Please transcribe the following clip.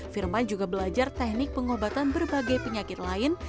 firman juga belajar teknik pengobatan berbagai penyakit lain